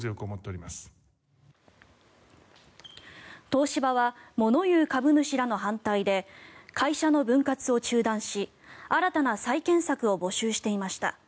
東芝は物言う株主らの反対で会社の分割を中断し新たな再建策を募集していました。